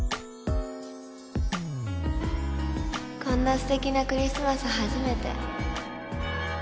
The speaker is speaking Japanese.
こんなすてきなクリスマス初めて